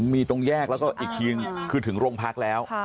มีตรงแยกแล้วก็อีกทีนึงคือถึงโรงพักแล้ว